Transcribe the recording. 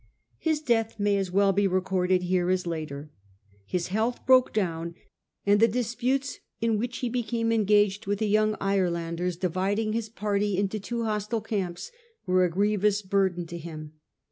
His death may as well be recorded here as later. His health broke down ; and the disputes in which he became engaged with the Young Irelanders, dividing his party into two hostile camps, were a grievous burthen to him.